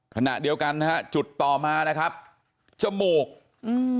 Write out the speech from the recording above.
ขณะเดียวกันนะฮะจุดต่อมานะครับจมูกอืม